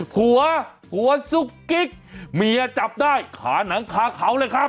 หัวหัวซุกกิ๊กเมียจับได้ขาหนังคาเขาเลยครับ